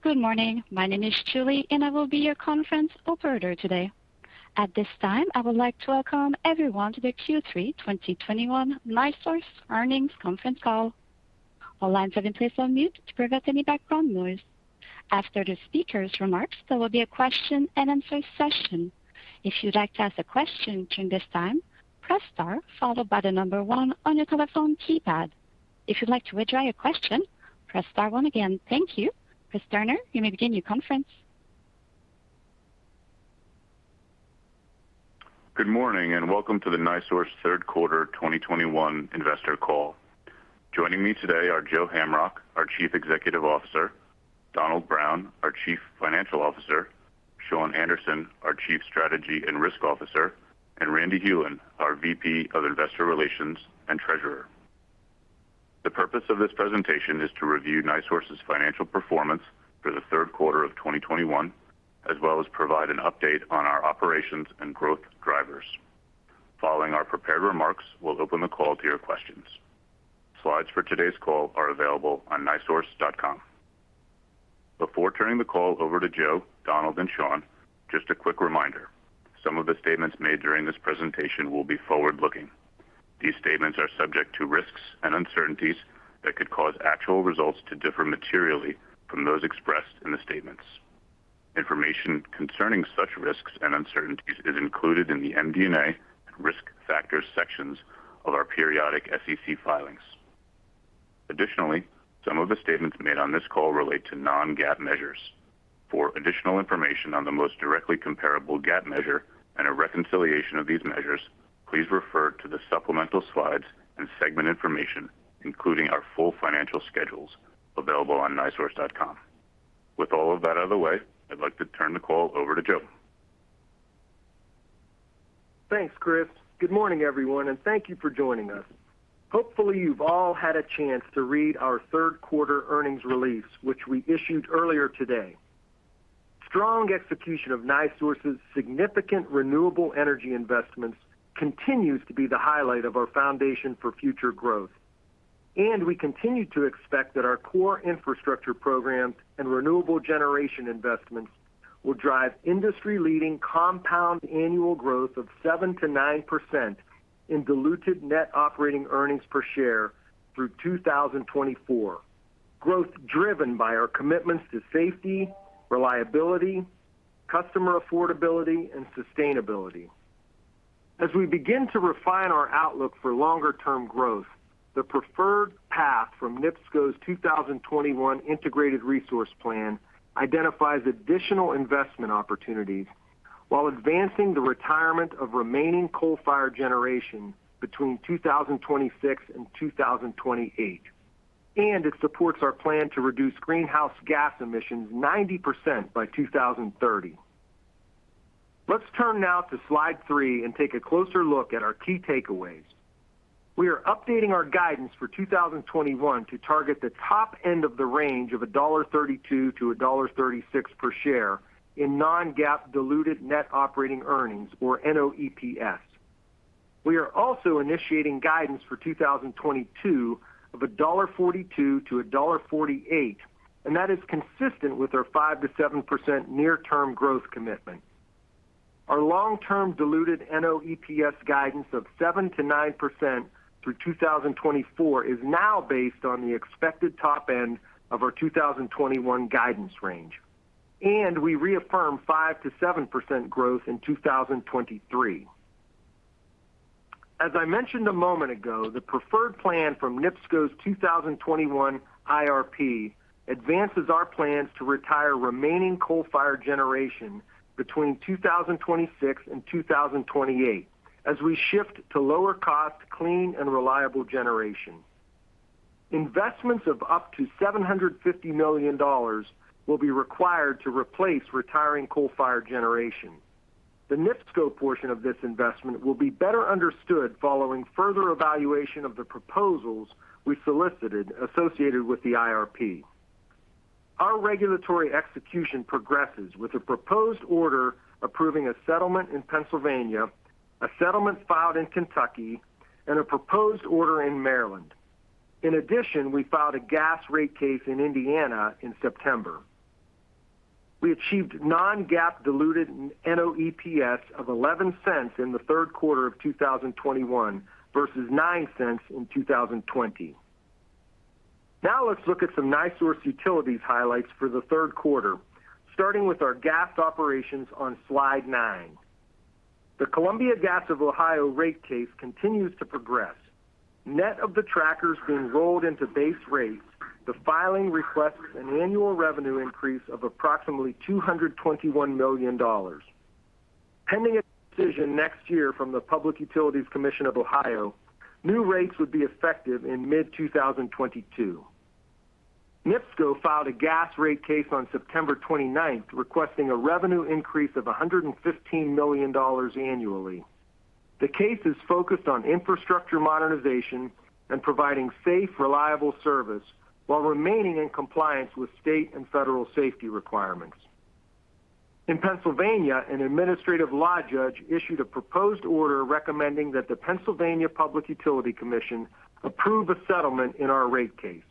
Good morning. My name is Julie, and I will be your conference operator today. At this time, I would like to welcome everyone to the Q3 2021 NiSource Earnings Conference Call. All lines have been placed on mute to prevent any background noise. After the speakers' remarks, there will be a question-and-answer session. If you'd like to ask a question during this time, press star followed by the number one on your telephone keypad. If you'd like to withdraw your question, press star one again. Thank you. Chris Turnure, you may begin your conference. Good morning, and welcome to the NiSource third quarter 2021 investor call. Joining me today are Joe Hamrock, our Chief Executive Officer, Donald Brown, our Chief Financial Officer, Shawn Anderson, our Chief Strategy and Risk Officer, and Randy Hulen, our VP of Investor Relations and Treasurer. The purpose of this presentation is to review NiSource's financial performance for the third quarter of 2021, as well as provide an update on our operations and growth drivers. Following our prepared remarks, we'll open the call to your questions. Slides for today's call are available on nisource.com. Before turning the call over to Joe, Donald, and Shawn, just a quick reminder, some of the statements made during this presentation will be forward-looking. These statements are subject to risks and uncertainties that could cause actual results to differ materially from those expressed in the statements. Information concerning such risks and uncertainties is included in the MD&A and risk factors sections of our periodic SEC filings. Additionally, some of the statements made on this call relate to non-GAAP measures. For additional information on the most directly comparable GAAP measure and a reconciliation of these measures, please refer to the supplemental slides and segment information, including our full financial schedules available on nisource.com. With all of that out of the way, I'd like to turn the call over to Joe. Thanks, Chris. Good morning, everyone, and thank you for joining us. Hopefully, you've all had a chance to read our third quarter earnings release, which we issued earlier today. Strong execution of NiSource's significant renewable energy investments continues to be the highlight of our foundation for future growth. We continue to expect that our core infrastructure programs and renewable generation investments will drive industry-leading compound annual growth of 7%-9% in diluted net operating earnings per share through 2024. Growth driven by our commitments to safety, reliability, customer affordability, and sustainability. As we begin to refine our outlook for longer-term growth, the preferred path from NIPSCO's 2021 Integrated Resource Plan identifies additional investment opportunities while advancing the retirement of remaining coal-fired generation between 2026 and 2028. It supports our plan to reduce greenhouse gas emissions 90% by 2030. Let's turn now to slide three and take a closer look at our key takeaways. We are updating our guidance for 2021 to target the top end of the range of $1.32-$1.36 per share in non-GAAP diluted net operating earnings or NOEPS. We are also initiating guidance for 2022 of $1.42-$1.48, and that is consistent with our 5%-7% near-term growth commitment. Our long-term diluted NOEPS guidance of 7%-9% through 2024 is now based on the expected top end of our 2021 guidance range. We reaffirm 5%-7% growth in 2023. As I mentioned a moment ago, the preferred plan from NIPSCO's 2021 IRP advances our plans to retire remaining coal-fired generation between 2026 and 2028 as we shift to lower cost, clean, and reliable generation. Investments of up to $750 million will be required to replace retiring coal-fired generation. The NIPSCO portion of this investment will be better understood following further evaluation of the proposals we solicited associated with the IRP. Our regulatory execution progresses with a proposed order approving a settlement in Pennsylvania, a settlement filed in Kentucky, and a proposed order in Maryland. In addition, we filed a gas rate case in Indiana in September. We achieved non-GAAP diluted NOEPS of $0.11 in the third quarter of 2021 versus $0.09 in 2020. Now let's look at some NiSource utilities highlights for the third quarter, starting with our gas operations on slide nine. The Columbia Gas of Ohio rate case continues to progress. Net of the trackers being rolled into base rates, the filing requests an annual revenue increase of approximately $221 million. Pending a decision next year from the Public Utilities Commission of Ohio, new rates would be effective in mid-2022. NIPSCO filed a gas rate case on September 29, requesting a revenue increase of $115 million annually. The case is focused on infrastructure modernization and providing safe, reliable service while remaining in compliance with state and federal safety requirements. In Pennsylvania, an administrative law judge issued a proposed order recommending that the Pennsylvania Public Utility Commission approve a settlement in our rate case.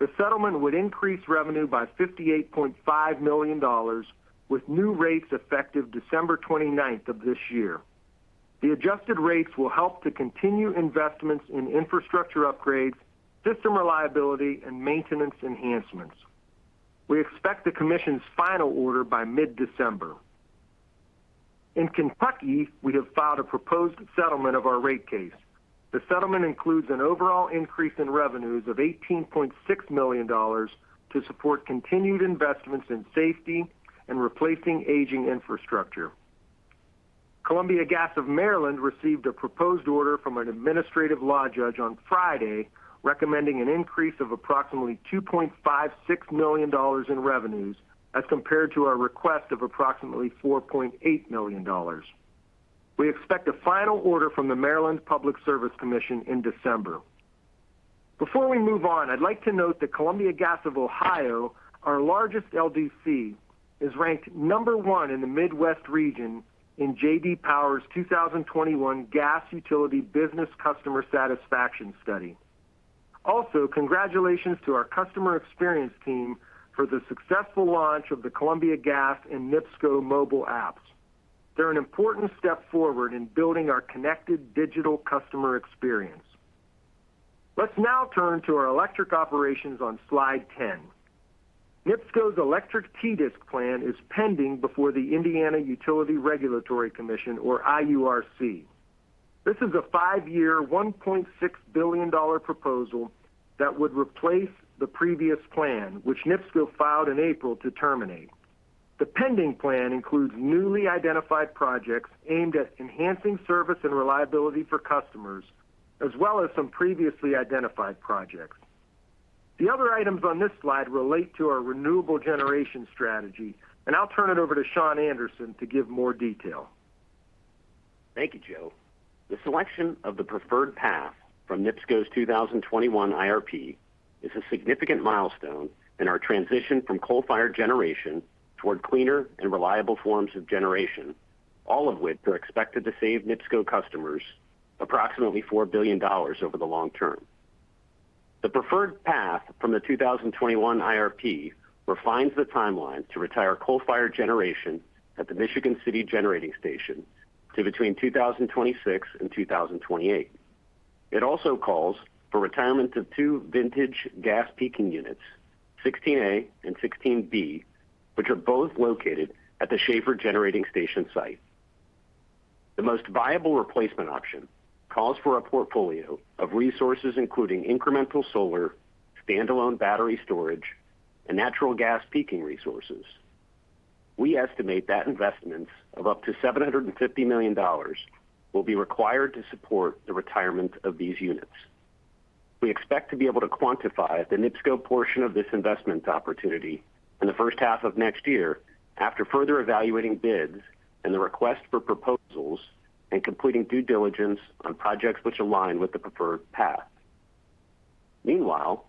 The settlement would increase revenue by $58.5 million with new rates effective December 29 of this year. The adjusted rates will help to continue investments in infrastructure upgrades, system reliability, and maintenance enhancements. We expect the Commission's final order by mid-December. In Kentucky, we have filed a proposed settlement of our rate case. The settlement includes an overall increase in revenues of $18.6 million to support continued investments in safety and replacing aging infrastructure. Columbia Gas of Maryland received a proposed order from an administrative law judge on Friday, recommending an increase of approximately $2.56 million in revenues as compared to our request of approximately $4.8 million. We expect a final order from the Maryland Public Service Commission in December. Before we move on, I'd like to note that Columbia Gas of Ohio, our largest LDC, is ranked number 1 in the Midwest region in J.D. Power's 2021 Gas Utility Business Customer Satisfaction Study. Also, congratulations to our customer experience team for the successful launch of the Columbia Gas and NIPSCO mobile apps. They're an important step forward in building our connected digital customer experience. Let's now turn to our electric operations on slide 10. NIPSCO's electric TDSIC plan is pending before the Indiana Utility Regulatory Commission or IURC. This is a 5-year, $1.6 billion proposal that would replace the previous plan, which NIPSCO filed in April to terminate. The pending plan includes newly identified projects aimed at enhancing service and reliability for customers, as well as some previously identified projects. The other items on this slide relate to our renewable generation strategy, and I'll turn it over to Shawn Anderson to give more detail. Thank you, Joe. The selection of the preferred path from NIPSCO's 2021 IRP is a significant milestone in our transition from coal-fired generation toward cleaner and reliable forms of generation, all of which are expected to save NIPSCO customers approximately $4 billion over the long term. The preferred path from the 2021 IRP refines the timeline to retire coal-fired generation at the Michigan City Generating Station to between 2026 and 2028. It also calls for retirement of two vintage gas peaking units, 16A and 16B, which are both located at the Schaefer Generating Station site. The most viable replacement option calls for a portfolio of resources, including incremental solar, stand-alone battery storage, and natural gas peaking resources. We estimate that investments of up to $750 million will be required to support the retirement of these units. We expect to be able to quantify the NIPSCO portion of this investment opportunity in the first half of next year after further evaluating bids and the request for proposals and completing due diligence on projects which align with the preferred path. Meanwhile,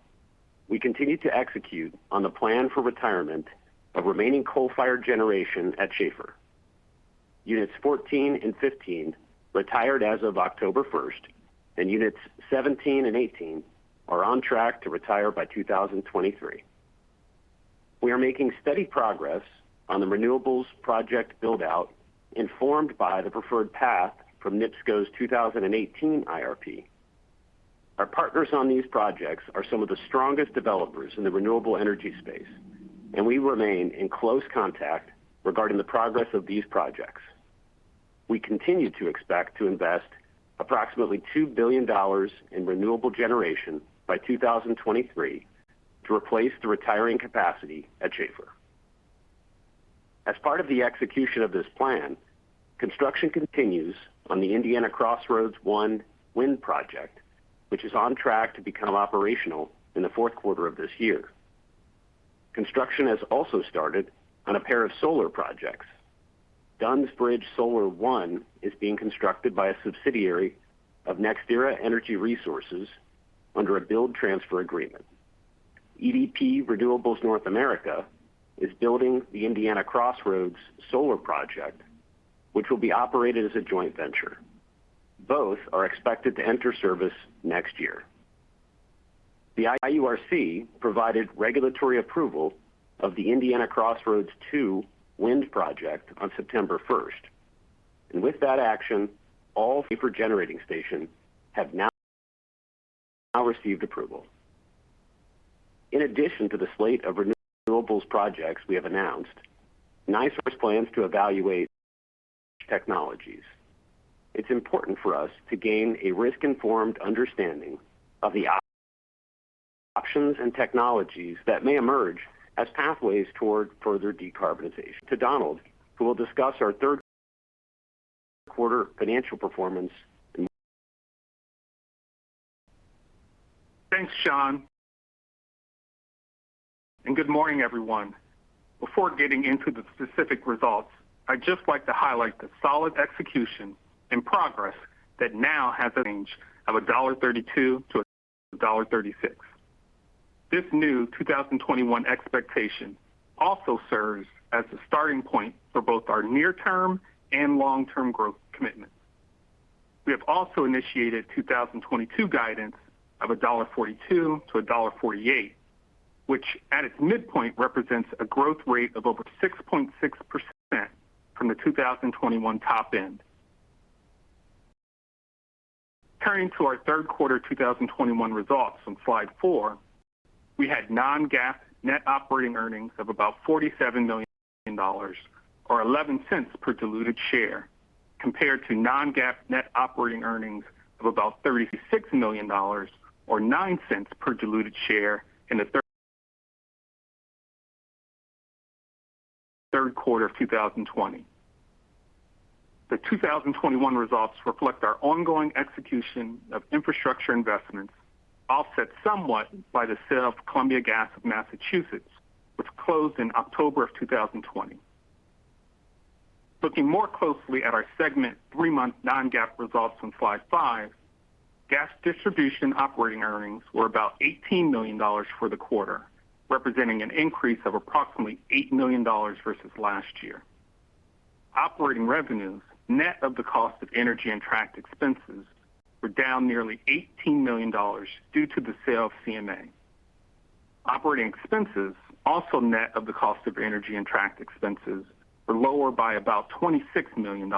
we continue to execute on the plan for retirement of remaining coal-fired generation at Schaefer. Units 14 and 15 retired as of October 1, and units 17 and 18 are on track to retire by 2023. We are making steady progress on the renewables project build-out informed by the preferred path from NIPSCO's 2018 IRP. Our partners on these projects are some of the strongest developers in the renewable energy space, and we remain in close contact regarding the progress of these projects. We continue to expect to invest approximately $2 billion in renewable generation by 2023 to replace the retiring capacity at Schaefer. As part of the execution of this plan, construction continues on the Indiana Crossroads One wind project, which is on track to become operational in the fourth quarter of this year. Construction has also started on a pair of solar projects. Dunns Bridge Solar One is being constructed by a subsidiary of NextEra Energy Resources under a build transfer agreement. EDP Renewables North America is building the Indiana Crossroads Solar Project, which will be operated as a joint venture. Both are expected to enter service next year. The IURC provided regulatory approval of the Indiana Crossroads Two wind project on September first. With that action, all Schaefer Generating Station have now received approval. In addition to the slate of renewables projects we have announced, NiSource plans to evaluate technologies. It's important for us to gain a risk-informed understanding of the options and technologies that may emerge as pathways toward further decarbonization. To Donald, who will discuss our third quarter financial performance. Thanks, Shawn. Good morning, everyone. Before getting into the specific results, I'd just like to highlight the solid execution and progress that now has a range of $1.32-$1.36. This new 2021 expectation also serves as the starting point for both our near-term and long-term growth commitments. We have also initiated 2022 guidance of $1.42-$1.48, which at its midpoint represents a growth rate of over 6.6% from the 2021 top end. Turning to our third quarter 2021 results on slide four, we had non-GAAP net operating earnings of about $47 million or $0.11 per diluted share, compared to non-GAAP net operating earnings of about $36 million or $0.09 per diluted share in the third quarter of 2020. The 2021 results reflect our ongoing execution of infrastructure investments, offset somewhat by the sale of Columbia Gas of Massachusetts, which closed in October 2020. Looking more closely at our segment, 3-month non-GAAP results on slide five, Gas Distribution operating earnings were about $18 million for the quarter, representing an increase of approximately $8 million versus last year. Operating revenues, net of the cost of energy and tracked expenses, were down nearly $18 million due to the sale of CMA. Operating expenses, also net of the cost of energy and tracked expenses, were lower by about $26 million,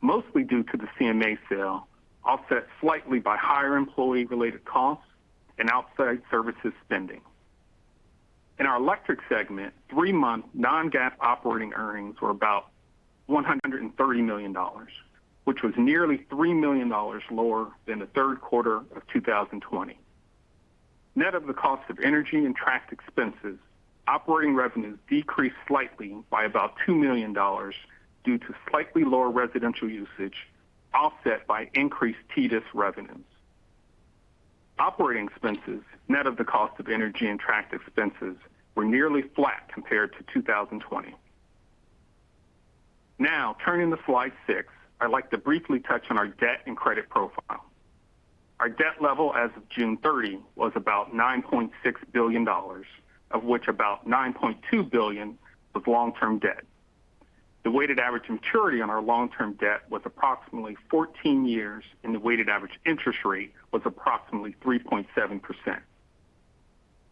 mostly due to the CMA sale, offset slightly by higher employee-related costs and outside services spending. In our Electric segment, 3-month non-GAAP operating earnings were about $130 million, which was nearly $3 million lower than the third quarter of 2020. Net of the cost of energy and tracked expenses, operating revenues decreased slightly by about $2 million due to slightly lower residential usage, offset by increased TDSIC revenues. Operating expenses, net of the cost of energy and tracked expenses, were nearly flat compared to 2020. Now, turning to slide six, I'd like to briefly touch on our debt and credit profile. Our debt level as of June 30 was about $9.6 billion, of which about $9.2 billion was long-term debt. The weighted average maturity on our long-term debt was approximately 14 years, and the weighted average interest rate was approximately 3.7%.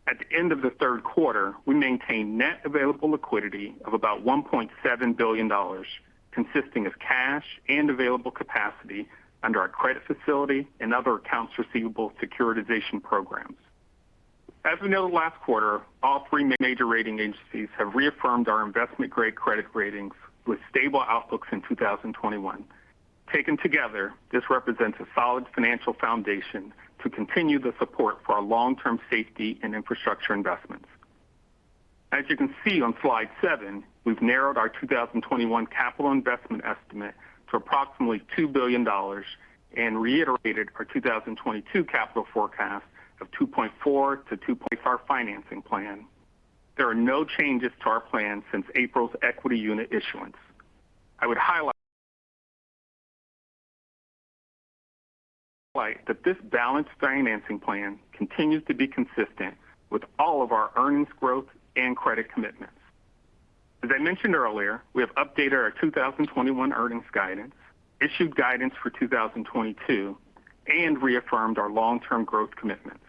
At the end of the third quarter, we maintained net available liquidity of about $1.7 billion, consisting of cash and available capacity under our credit facility and other accounts receivable securitization programs. As we noted last quarter, all three major rating agencies have reaffirmed our investment-grade credit ratings with stable outlooks in 2021. Taken together, this represents a solid financial foundation to continue the support for our long-term safety and infrastructure investments. As you can see on slide seven, we've narrowed our 2021 capital investment estimate to approximately $2 billion and reiterated our 2022 capital forecast of $2.4-$2.5 billion. Our financing plan. There are no changes to our plan since April's equity unit issuance. I would highlight that this balanced financing plan continues to be consistent with all of our earnings growth and credit commitments. As I mentioned earlier, we have updated our 2021 earnings guidance, issued guidance for 2022, and reaffirmed our long-term growth commitments.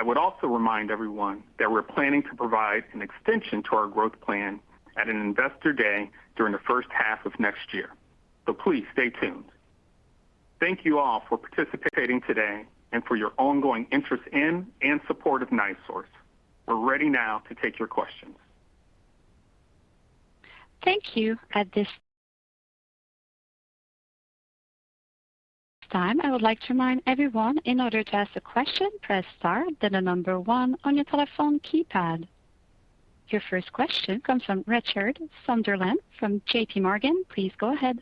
I would also remind everyone that we're planning to provide an extension to our growth plan at an investor day during the first half of next year. Please stay tuned. Thank you all for participating today and for your ongoing interest in and support of NiSource. We're ready now to take your questions. Thank you. At this time, I would like to remind everyone in order to ask a question, press star, then the number one on your telephone keypad. Your first question comes from Richard Sunderland from JPMorgan. Please go ahead.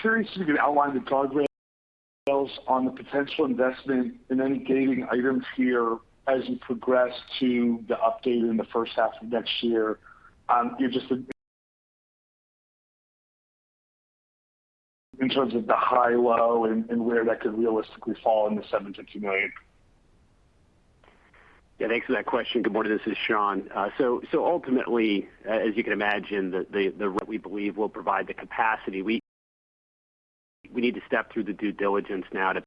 Curious if you could outline the guardrails on the potential investment in any gaining items here as you progress to the update in the first half of next year. You're just in terms of the high, low, and where that could realistically fall in the $7 million-$10 million. Yeah, thanks for that question. Good morning, this is Shawn. Ultimately, as you can imagine, the way we believe will provide the capacity. We need to step through the due diligence now to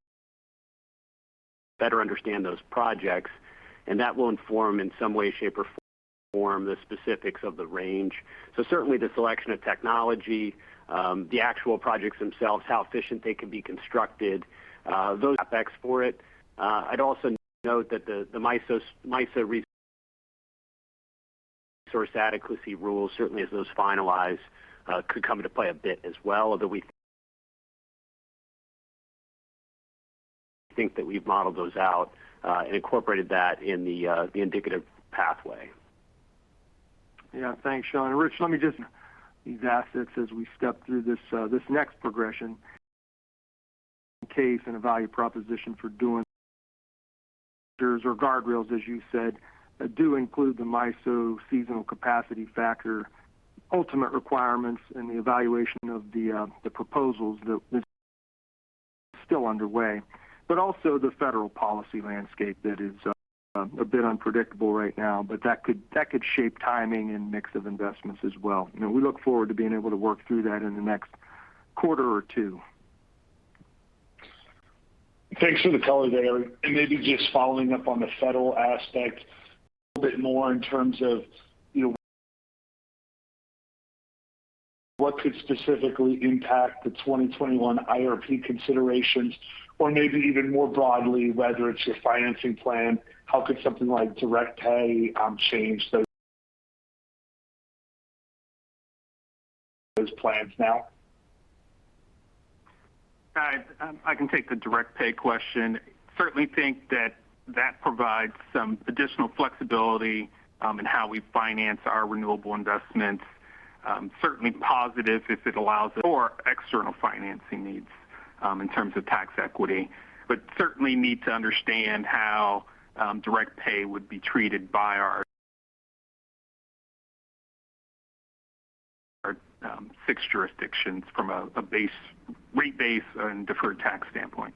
better understand those projects, and that will inform in some way, shape, or form the specifics of the range. Certainly the selection of technology, the actual projects themselves, how efficient they can be constructed, those aspects for it. I'd also note that the MISO Resource Adequacy Rules, certainly as those finalize, could come into play a bit as well, although we think that we've modeled those out, and incorporated that in the indicative pathway. Yeah. Thanks, Shawn. Rich, let me just discuss these assets as we step through this next progression. The case and a value proposition for doing our guardrails, as you said, do include the MISO seasonal capacity factor. Ultimate requirements and the evaluation of the proposals that's still underway, but also the federal policy landscape that is a bit unpredictable right now. That could shape timing and mix of investments as well. You know, we look forward to being able to work through that in the next quarter or two. Thanks for the color there. Maybe just following up on the federal aspect a bit more in terms of, you know, what could specifically impact the 2021 IRP considerations, or maybe even more broadly, whether it's your financing plan, how could something like direct pay change those plans now? I can take the direct pay question. Certainly think that provides some additional flexibility in how we finance our renewable investments. Certainly positive if it allows for external financing needs in terms of tax equity. But certainly need to understand how direct pay would be treated by our six jurisdictions from a rate base and deferred tax standpoint.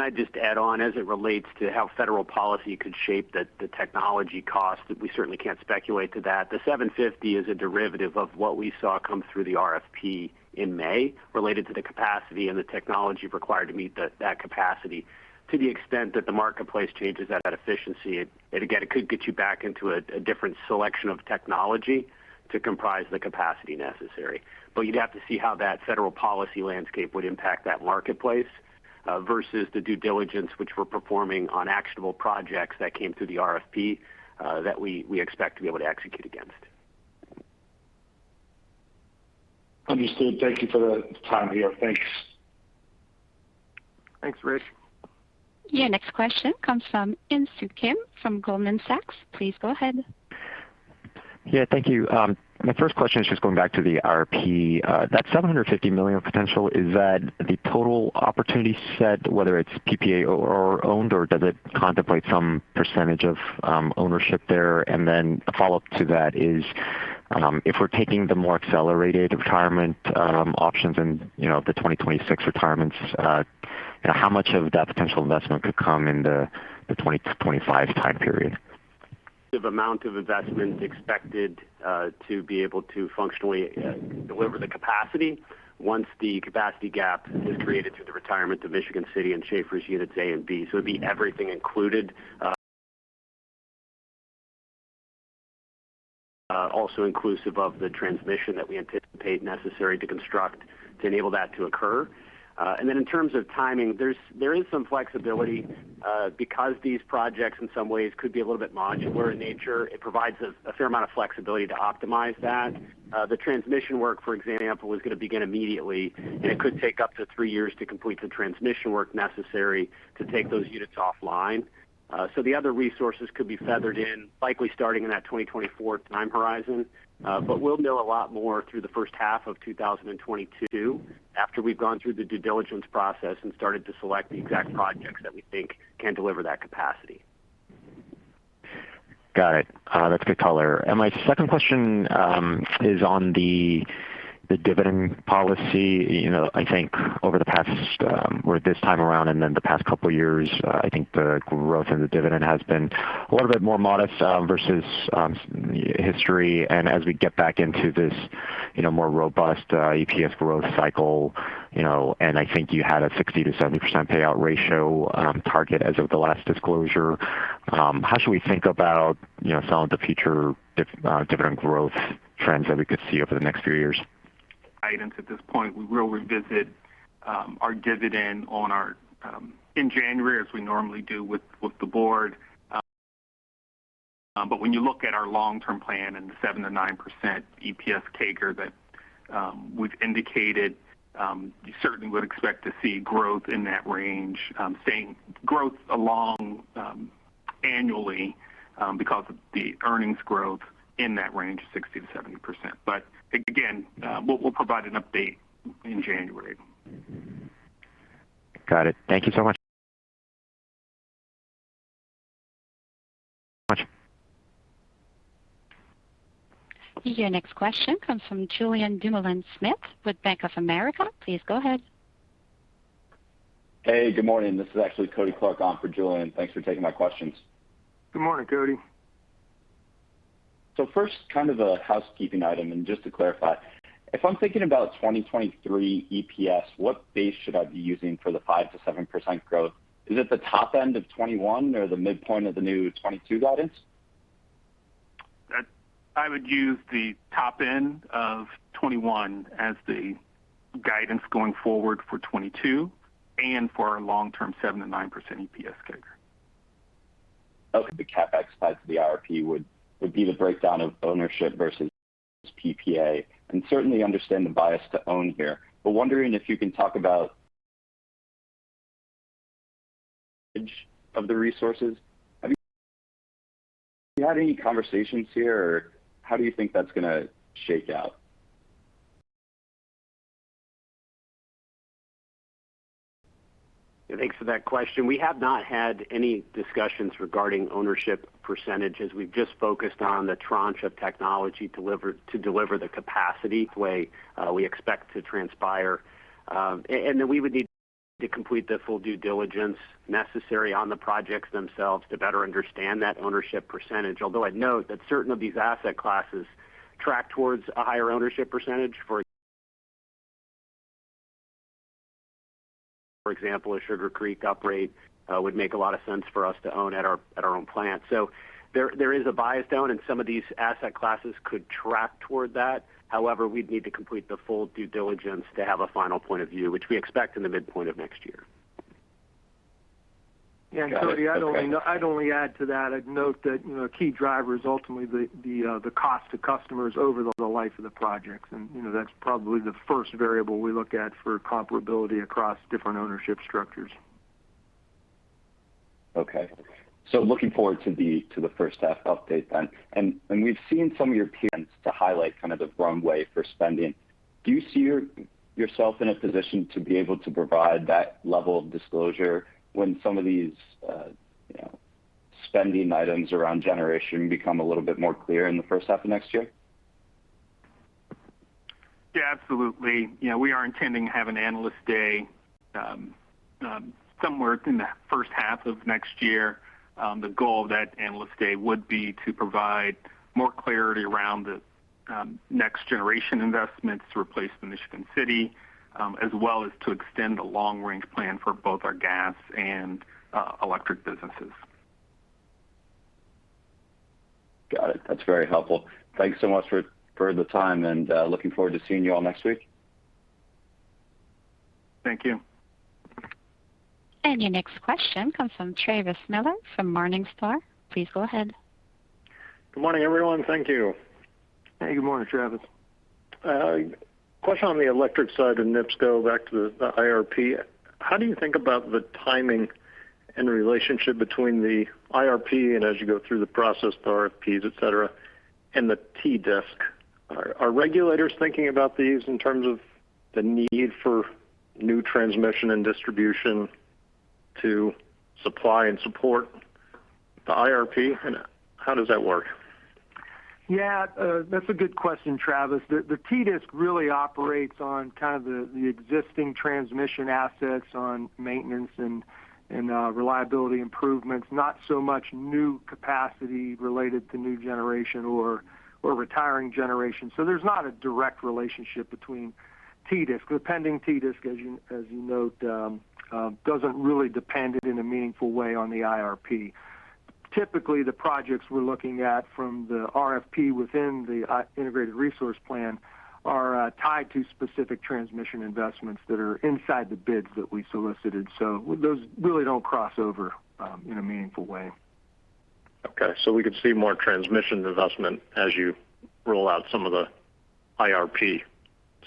I'd just add on as it relates to how federal policy could shape the technology cost, we certainly can't speculate to that. The 750 is a derivative of what we saw come through the RFP in May related to the capacity and the technology required to meet that capacity. To the extent that the marketplace changes that efficiency, it again could get you back into a different selection of technology to comprise the capacity necessary. You'd have to see how that federal policy landscape would impact that marketplace versus the due diligence which we're performing on actionable projects that came through the RFP that we expect to be able to execute against. Understood. Thank you for the time here. Thanks. Thanks, Rich. Your next question comes from Insoo Kim from Goldman Sachs. Please go ahead. Yeah, thank you. My first question is just going back to the IRP. That $750 million potential, is that the total opportunity set, whether it's PPA or owned, or does it contemplate some percentage of ownership there? A follow-up to that is, if we're taking the more accelerated retirement options and, you know, the 2026 retirements, you know, how much of that potential investment could come in the 2025 time period? The amount of investment expected to be able to functionally deliver the capacity once the capacity gap is created through the retirement of Michigan City and Schaefer's units A and B. It'd be everything included, also inclusive of the transmission that we anticipate necessary to construct to enable that to occur. In terms of timing, there is some flexibility because these projects in some ways could be a little bit modular in nature. It provides a fair amount of flexibility to optimize that. The transmission work, for example, is going to begin immediately, and it could take up to three years to complete the transmission work necessary to take those units offline. The other resources could be feathered in, likely starting in that 2024 time horizon. We'll know a lot more through the first half of 2022 after we've gone through the due diligence process and started to select the exact projects that we think can deliver that capacity. Got it. That's good color. My second question is on the dividend policy. You know, I think over the past or this time around and then the past couple of years, I think the growth in the dividend has been a little bit more modest versus history. As we get back into this, you know, more robust EPS growth cycle, you know, and I think you had a 60%-70% payout ratio target as of the last disclosure. How should we think about, you know, some of the future dividend growth trends that we could see over the next few years? At this point. We will revisit our dividend in January, as we normally do with the board. When you look at our long-term plan and the 7%-9% EPS CAGR that we've indicated, you certainly would expect to see growth in that range. I'm saying growth along annually, because of the earnings growth in that range, 60%-70%. Again, we'll provide an update in January. Got it. Thank you so much. Your next question comes from Julien Dumoulin-Smith with Bank of America. Please go ahead. Hey, good morning. This is actually Kody Clark on for Julien. Thanks for taking my questions. Good morning, Kody. First, kind of a housekeeping item, and just to clarify, if I'm thinking about 2023 EPS, what base should I be using for the 5%-7% growth? Is it the top end of 2021 or the midpoint of the new 2022 guidance? I would use the top end of 21 as the guidance going forward for 2022 and for our long-term 7%-9% EPS CAGR. On the CapEx side of the IRP would be the breakdown of ownership versus PPA, and I certainly understand the bias to own here. Wondering if you can talk about the resources. Have you had any conversations here, or how do you think that's going to shake out? Thanks for that question. We have not had any discussions regarding ownership percentages. We've just focused on the tranche of technology delivered to deliver the capacity the way we expect to transpire. We would need to complete the full due diligence necessary on the projects themselves to better understand that ownership percentage. Although I'd note that certain of these asset classes track towards a higher ownership percentage. For example, a Sugar Creek upgrade would make a lot of sense for us to own at our own plant. There is a bias down, and some of these asset classes could track toward that. However, we'd need to complete the full due diligence to have a final point of view, which we expect in the midpoint of next year. Yeah. Cody, I'd only add to that. I'd note that, you know, key driver is ultimately the cost to customers over the life of the projects. You know, that's probably the first variable we look at for comparability across different ownership structures. Okay. Looking forward to the first half update then. We've seen some of your peers to highlight kind of the runway for spending. Do you see yourself in a position to be able to provide that level of disclosure when some of these, you know, spending items around generation become a little bit more clear in the first half of next year? Yeah, absolutely. You know, we are intending to have an analyst day, somewhere in the first half of next year. The goal of that analyst day would be to provide more clarity around the next generation investments to replace the Michigan City, as well as to extend the long-range plan for both our gas and electric businesses. Got it. That's very helpful. Thanks so much for the time, and looking forward to seeing you all next week. Thank you. Your next question comes from Travis Miller from Morningstar. Please go ahead. Good morning, everyone. Thank you. Hey, good morning, Travis. Question on the electric side of NIPSCO, back to the IRP. How do you think about the timing and relationship between the IRP, and as you go through the process, RFPs, et cetera, and the T-DISC? Are regulators thinking about these in terms of the need for new transmission and distribution to supply and support the IRP? How does that work? Yeah. That's a good question, Travis. The TDSIC really operates on kind of the existing transmission assets on maintenance and reliability improvements, not so much new capacity related to new generation or retiring generation. There's not a direct relationship between TDSIC. The pending TDSIC, as you note, doesn't really depend in a meaningful way on the IRP. Typically, the projects we're looking at from the RFP within the Integrated Resource Plan are tied to specific transmission investments that are inside the bids that we solicited. Those really don't cross over in a meaningful way. We could see more transmission investment as you roll out some of the IRP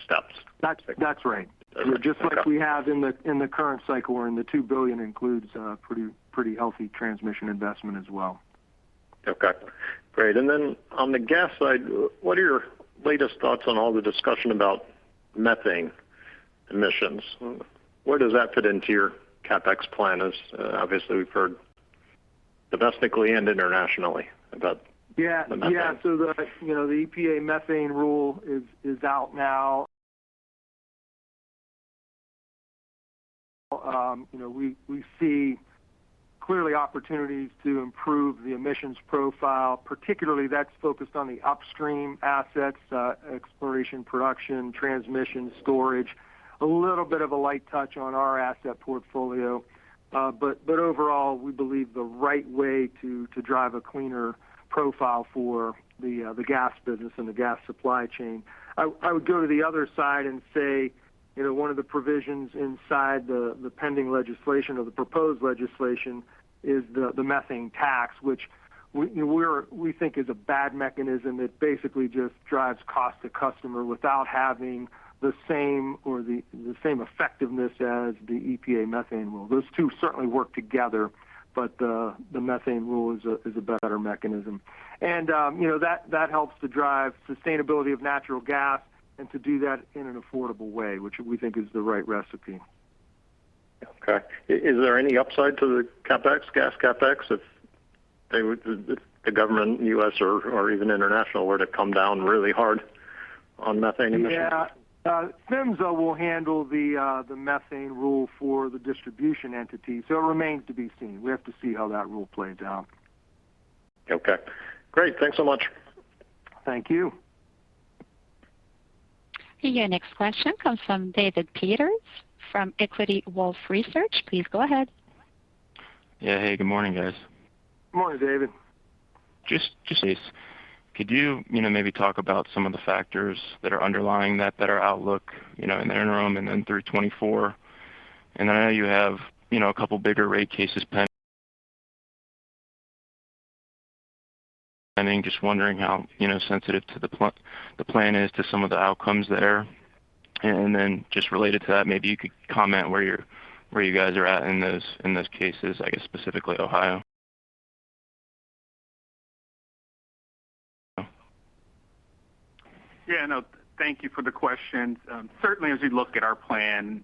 steps. That's right. Just like we have in the current cycle wherein the $2 billion includes pretty healthy transmission investment as well. Okay. Great. On the gas side, what are your latest thoughts on all the discussion about methane emissions? Where does that fit into your CapEx plan as, obviously we've heard domestically and internationally about the methane? The EPA methane rule is out now. We see clearly opportunities to improve the emissions profile, particularly that's focused on the upstream assets, exploration, production, transmission, storage. A little bit of a light touch on our asset portfolio. But overall, we believe the right way to drive a cleaner profile for the gas business and the gas supply chain. I would go to the other side and say, one of the provisions inside the pending legislation or the proposed legislation is the methane tax, which we think is a bad mechanism that basically just drives cost to customer without having the same effectiveness as the EPA methane rule. Those two certainly work together, but the methane rule is a better mechanism. You know, that helps to drive sustainability of natural gas and to do that in an affordable way, which we think is the right recipe. Okay. Is there any upside to the CapEx, gas CapEx if the government, U.S. or even international, were to come down really hard on methane emissions? Yeah. PHMSA will handle the methane rule for the distribution entity, so it remains to be seen. We have to see how that rule plays out. Okay. Great. Thanks so much. Thank you. Your next question comes from David Peters from Wolfe Research. Please go ahead. Yeah. Hey, good morning, guys. Good morning, David. Just, could you know, maybe talk about some of the factors that are underlying that better outlook, you know, in the interim and then through 2024? I know you have, you know, a couple bigger rate cases pending. I mean, just wondering how, you know, sensitive the plan is to some of the outcomes there. Just related to that, maybe you could comment where you guys are at in those cases, I guess specifically Ohio. Yeah, no, thank you for the question. Certainly as we look at our plan,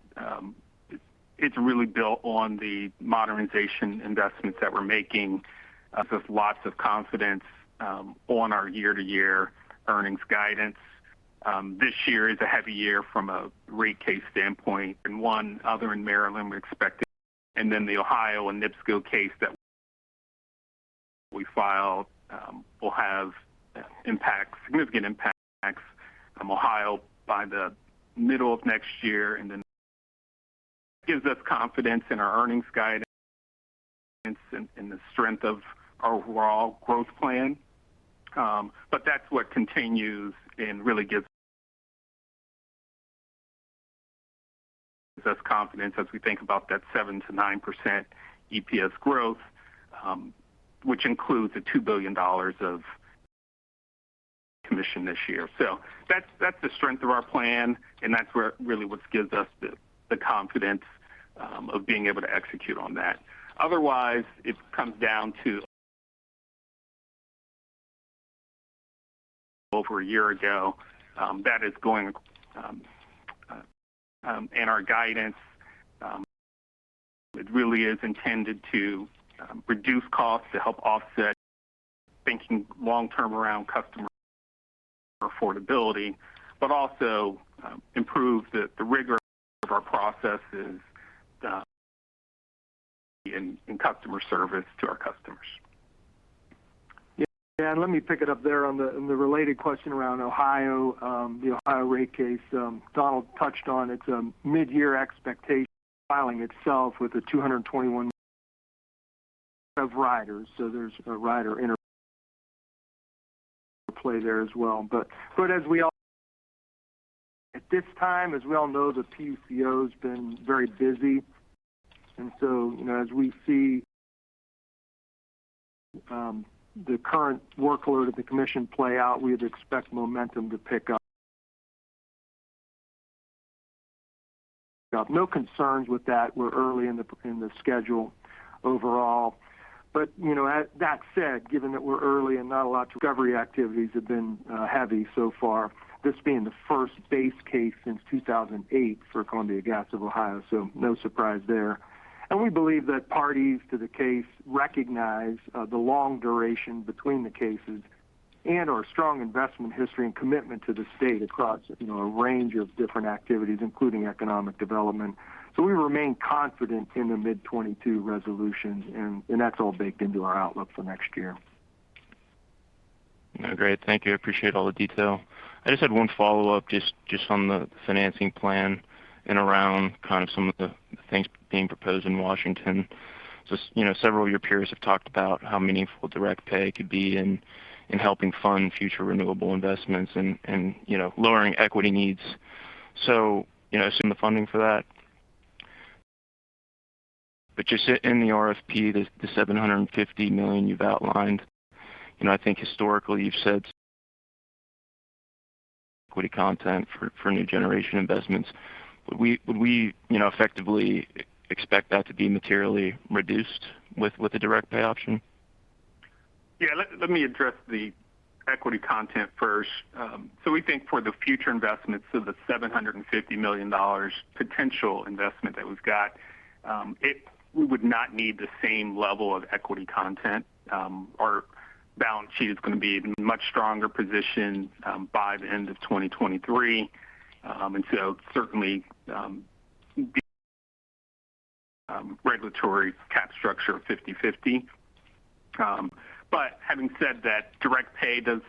it's really built on the modernization investments that we're making, gives us lots of confidence on our year-to-year earnings guidance. This year is a heavy year from a rate case standpoint, and one other in Maryland we're expecting. Then the Ohio and NIPSCO case that we filed will have significant impacts from Ohio by the middle of next year. Then gives us confidence in our earnings guidance and the strength of our overall growth plan. But that's what continues and really gives us confidence as we think about that 7%-9% EPS growth, which includes the $2 billion of commission this year. That's the strength of our plan, and that's where really what gives us the confidence of being able to execute on that. Otherwise, it comes down to over a year ago, and our guidance. It really is intended to reduce costs to help offset thinking long term around customer affordability, but also improve the rigor of our processes in customer service to our customers. Let me pick it up there on the related question around Ohio, the Ohio rate case, Donald touched on. It's a mid-year expectation filing itself with 221 riders. So there's a rider in play there as well. At this time, as we all know, the PUCO has been very busy. As we see the current workload of the commission play out, we'd expect momentum to pick up. No concerns with that. We're early in the schedule overall. That said, given that we're early and not a lot of recovery activities have been heavy so far, this being the first base case since 2008 for Columbia Gas of Ohio, so no surprise there. We believe that parties to the case recognize the long duration between the cases and our strong investment history and commitment to the state across, you know, a range of different activities, including economic development. We remain confident in the mid-2022 resolutions, and that's all baked into our outlook for next year. No, great. Thank you. I appreciate all the detail. I just had one follow-up just on the financing plan and around kind of some of the things being proposed in Washington. Just, you know, several of your peers have talked about how meaningful direct pay could be in helping fund future renewable investments and, you know, lowering equity needs. So, you know, some of the funding for that. But just in the RFP, the $750 million you've outlined, you know, I think historically you've said equity content for new generation investments. Would we, you know, effectively expect that to be materially reduced with the direct pay option? Yeah. Let me address the equity content first. We think for the future investments, the $750 million potential investment that we've got, we would not need the same level of equity content. Our balance sheet is going to be in much stronger position by the end of 2023. Certainly, regulatory capital structure of 50/50. Having said that, direct pay does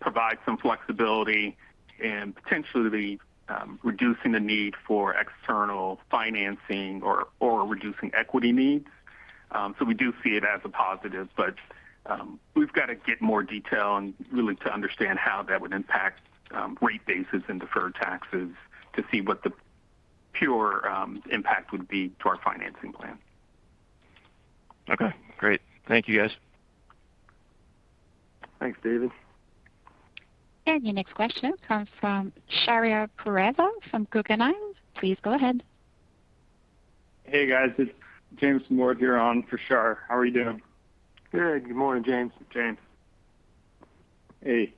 provide some flexibility and potentially reducing the need for external financing or reducing equity needs. We do see it as a positive, but we've got to get more detail and really to understand how that would impact rate bases and deferred taxes to see what the true impact would be to our financing plan. Okay, great. Thank you, guys. Thanks, David. Your next question comes from Shahriar Pourreza from Guggenheim. Please go ahead. Hey, guys. It's James Moore here on for Shar. How are you doing? Good morning, James. It's James. Hey.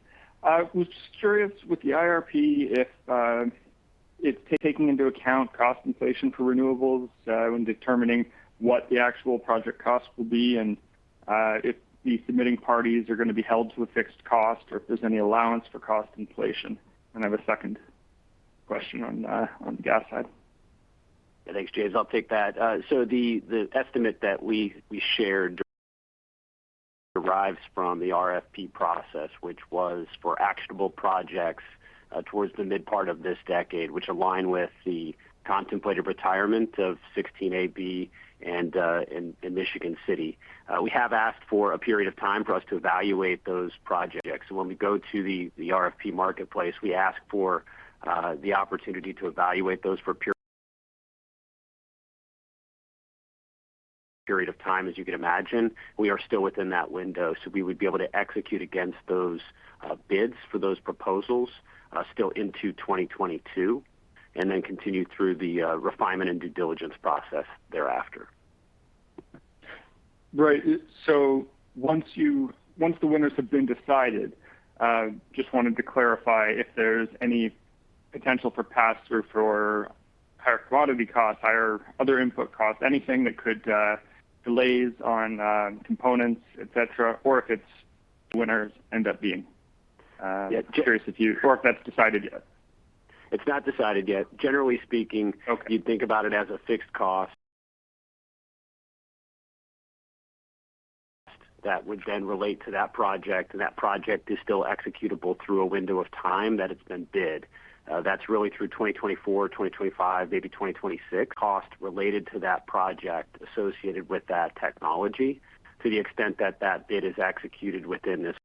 I was just curious with the IRP, if it's taking into account cost inflation for renewables, when determining what the actual project cost will be and, if the submitting parties are going to be held to a fixed cost or if there's any allowance for cost inflation. I have a second question on the gas side. Thanks, James. I'll take that. So the estimate that we shared derives from the RFP process, which was for actionable projects towards the mid part of this decade, which align with the contemplated retirement of 16 AB and in Michigan City. We have asked for a period of time for us to evaluate those projects. When we go to the RFP marketplace, we ask for the opportunity to evaluate those for a period of time, as you can imagine. We are still within that window, so we would be able to execute against those bids for those proposals still into 2022, and then continue through the refinement and due diligence process thereafter. Right. Once the winners have been decided, just wanted to clarify if there's any potential for pass-through for higher commodity costs, higher other input costs, anything that could delays on components, et cetera, or if the winners end up being. Yeah. Just curious if that's decided yet? It's not decided yet. Generally speaking. Okay. You'd think about it as a fixed cost. That would then relate to that project, and that project is still executable through a window of time that it's been bid. That's really through 2024, 2025, maybe 2026. Costs related to that project associated with that technology to the extent that that bid is executed within this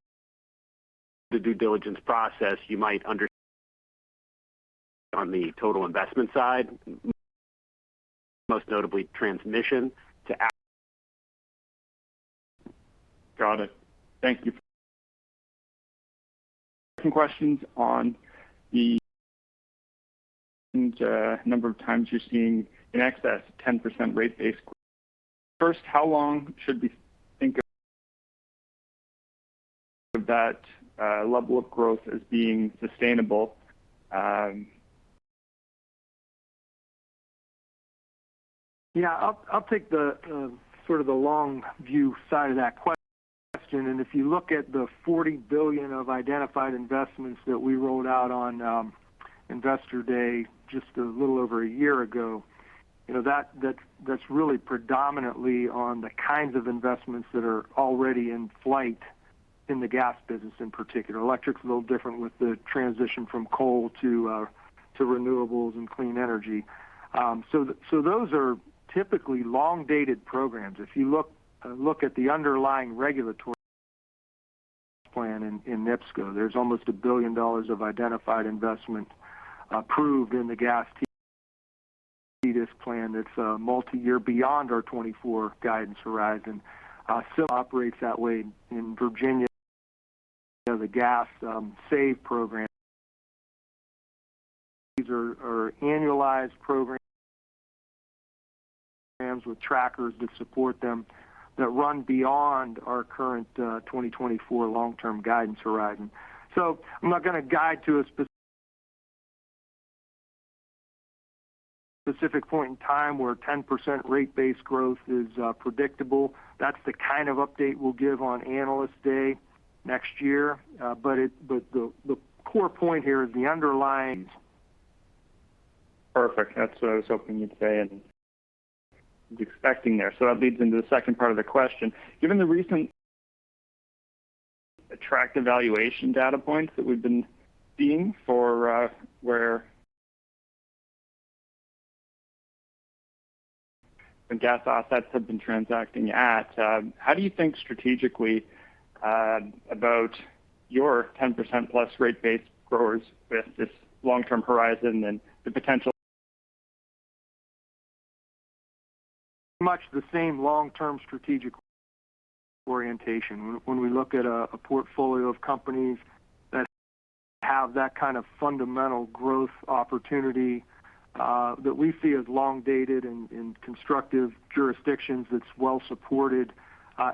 due diligence process. You might understand on the total investment side, most notably transmission buildout. Got it. Thank you. Some questions on the number of times you're seeing in excess 10% rate base. First, how long should we think of that level of growth as being sustainable? Yeah. I'll take the sort of the long view side of that question. If you look at the $40 billion of identified investments that we rolled out on Investor Day just a little over a year ago, you know, that's really predominantly on the kinds of investments that are already in flight in the gas business in particular. Electric's a little different with the transition from coal to renewables and clean energy. Those are typically long-dated programs. If you look at the underlying regulatory plan in NIPSCO, there's almost $1 billion of identified investment approved in the gas TDSIC plan that's multiyear beyond our 2024 guidance horizon. SAVE operates that way in Virginia. You know, the Gas SAVE program. These are annualized program. Programs with trackers that support them that run beyond our current 2024 long-term guidance horizon. I'm not gonna guide to a specific point in time where 10% rate-based growth is predictable. That's the kind of update we'll give on Analyst Day next year. The core point here is the underlying. Perfect. That's what I was hoping you'd say and was expecting there. That leads into the second part of the question. Given the recent attractive valuation data points that we've been seeing for where the gas assets have been transacting at, how do you think strategically about your 10% plus rate base growers with this long-term horizon and the potential? Much the same long-term strategic orientation. When we look at a portfolio of companies that have that kind of fundamental growth opportunity, that we see as long-dated and constructive jurisdictions that's well supported,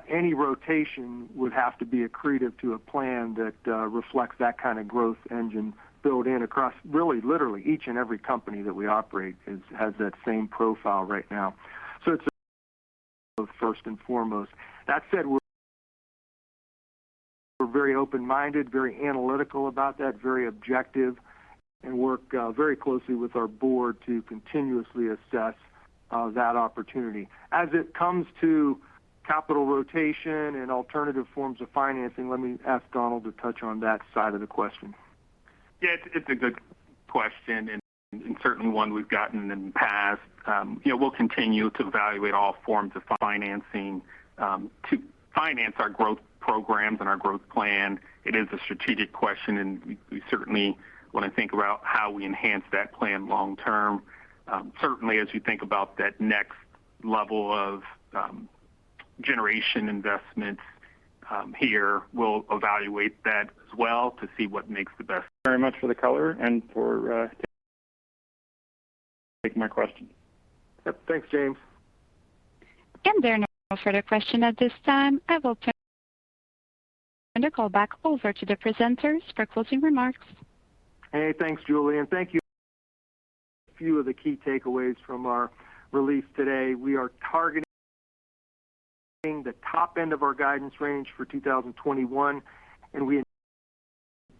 any rotation would have to be accretive to a plan that reflects that kind of growth engine built in across really literally each and every company that we operate has that same profile right now. So it's first and foremost. That said, we're very open-minded, very analytical about that, very objective, and work very closely with our board to continuously assess that opportunity. As it comes to capital rotation and alternative forms of financing, let me ask Donald to touch on that side of the question. Yeah, it's a good question, and certainly one we've gotten in the past. You know, we'll continue to evaluate all forms of financing to finance our growth programs and our growth plan. It is a strategic question, and we certainly want to think about how we enhance that plan long term. Certainly as we think about that next level of generation investments here, we'll evaluate that as well to see what makes the best. very much for the color and for taking my question. Yep. Thanks, James. There are no further question at this time. I will turn the call back over to the presenters for closing remarks. Hey, thanks, Julie, and thank you. A few of the key takeaways from our release today. We are targeting the top end of our guidance range for 2021, and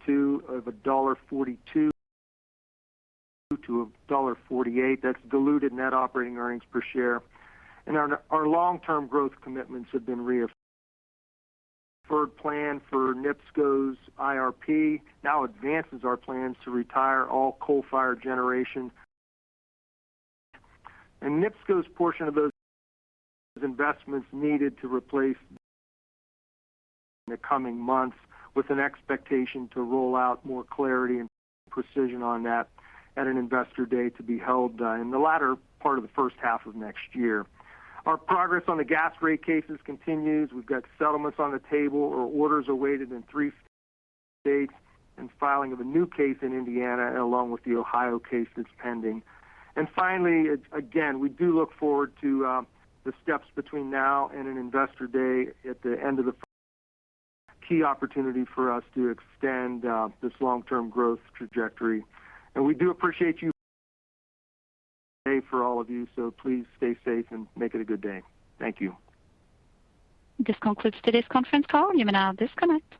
$1.42-$1.48. That's diluted net operating earnings per share. Our long-term growth commitments have been reaffirmed. Our plan for NIPSCO's IRP now advances our plans to retire all coal-fired generation. NIPSCO's portion of those investments needed to replace in the coming months with an expectation to roll out more clarity and precision on that at an Investor Day to be held in the latter part of the first half of next year. Our progress on the gas rate cases continues. We've got settlements on the table or orders awaited in three states and filing of a new case in Indiana along with the Ohio case that's pending. Finally, we again look forward to the steps between now and an Investor Day at the end of the year, a key opportunity for us to extend this long-term growth trajectory. We do appreciate you today for all of you, so please stay safe and have a good day. Thank you. This concludes today's conference call. You may now disconnect.